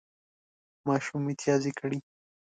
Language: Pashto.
ماشوم متیازې کړې